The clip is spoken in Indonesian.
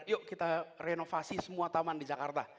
yuk kita renovasi semua taman di jakarta